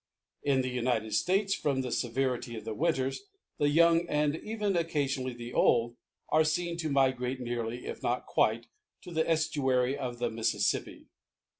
In the United States from the severity of the winters, the young and even occasionally the old, are seen to migrate nearly, if not quite, to the estuary of the Mississippi.